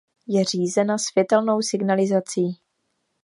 Je řízena světelnou signalizací.